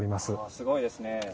すごいですね。